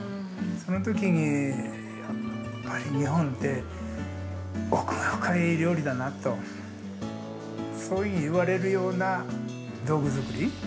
そのときに、やっぱり日本て奥の深い料理だなとそういうふうに言われるような道具づくり。